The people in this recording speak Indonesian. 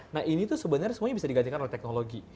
nah ini tuh sebenarnya semuanya bisa digantikan oleh teknologi